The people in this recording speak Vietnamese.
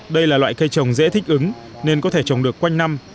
đây là loại cây trồng dễ thích ứng nên có thể trồng được quanh năm